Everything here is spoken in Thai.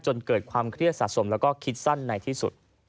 จนเกิดความเครียดสะสมแล้วก็คิดสั้นในที่สุด